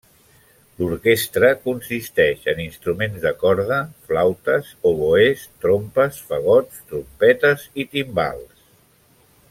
L'orquestra consisteix en instruments de corda, flautes, oboès, trompes, fagots, trompetes i timbales.